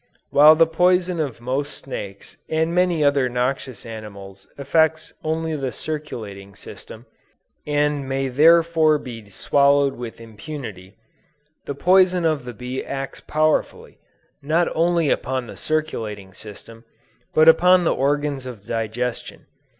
While the poison of most snakes and many other noxious animals affects only the circulating system, and may therefore be swallowed with impunity, the poison of the bee acts powerfully, not only upon the circulating system, but upon the organs of digestion.